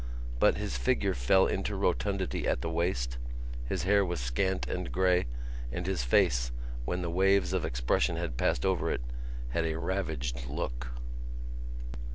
But his figure fell into rotundity at the waist, his hair was scant and grey and his face, when the waves of expression had passed over it, had a ravaged look.